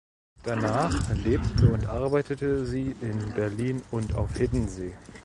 Danach lebte und arbeitete sie in Berlin und auf Hiddensee.